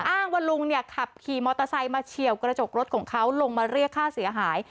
อ้างว่าลุงเนี่ยขับขี่มอเตอร์ไซค์มาเฉียวกระจกรถของเขาลงมาเรียกค่าเสียหาย